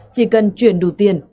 chỉ cần chuyển đủ tiền